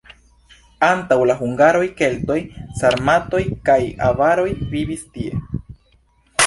Antaŭ la hungaroj keltoj, sarmatoj kaj avaroj vivis tie.